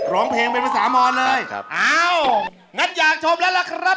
ร้องเพลงเป็นภาษามอนเลยครับอ้าวงั้นอยากชมแล้วล่ะครับ